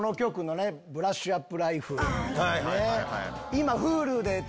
今。